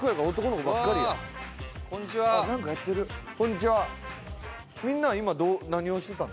こんにちは。